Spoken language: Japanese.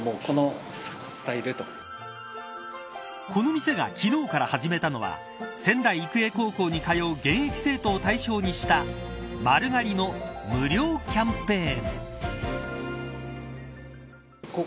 この店が昨日から始めたのは仙台育英高校に通う現役生徒を対象にした丸刈りの無料キャンペーン。